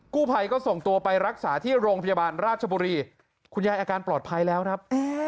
กู้ภัยก็ส่งตัวไปรักษาที่โรงพยาบาลราชบุรีคุณยายอาการปลอดภัยแล้วครับ